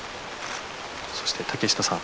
そして竹下さん